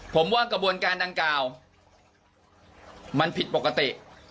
ผมว่ากระบวนการดังกล่าวมันผิดปกติ